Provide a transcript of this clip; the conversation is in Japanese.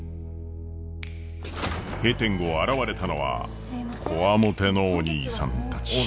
閉店後現れたのはこわもてのおにいさんたち。